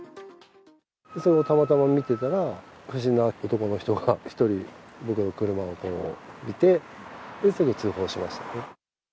たまたま見てたら、不審な男の人が１人僕の車を見て、すぐ通報しました。